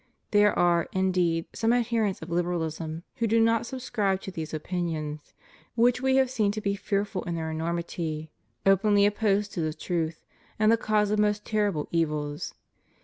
There are, indeed, some adherents of Liberalism who do not subscribe to these opinions, which we have seen to be fearful in their enormity, openly opposed to the truth, and the cause of most terrible evils.